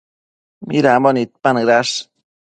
Midambo nidpanëdash?